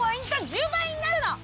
１０倍になるの！